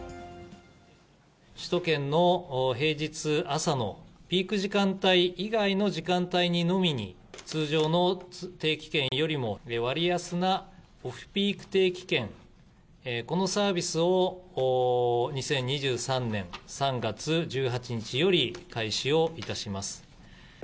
首都圏の平日朝のピーク時間帯以外の時間帯にのみに、通常の定期券よりも割安なオフピーク定期券、このサービスを２０２３年３月１８日より開始をいたします。